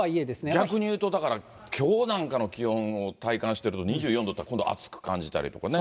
逆に言うと、だから、きょうなんかの気温を体感してると、２４度って、今度暑く感じたりとかね。